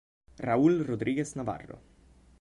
Raúl Rodríguez Navarro